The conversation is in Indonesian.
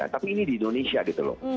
tapi ini di indonesia gitu loh